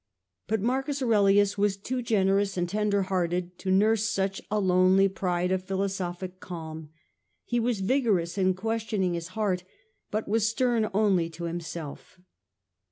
But Marcus Aurelius was too generous and tenderhearted to nurse such a lonely pride of philosophic calm. He was vigorous in questioning his heart, but was stern only to himself.